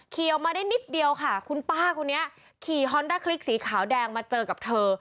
ออกมาได้นิดเดียวค่ะคุณป้าคนนี้ขี่ฮอนด้าคลิกสีขาวแดงมาเจอกับเธอ